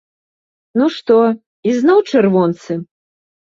Ну што, ізноў чырвонцы?